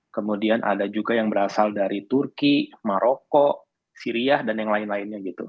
kemudian ada juga yang berasal dari turki maroko syria dan yang lain lainnya gitu